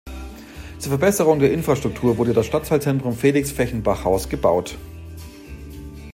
Zur Verbesserung der Infrastruktur wurde das Stadtteilzentrum Felix-Fechenbach-Haus gebaut.